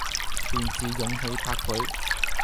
便自勇氣百倍，